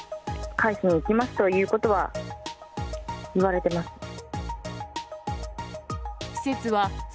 返しに行きますということは言われてます。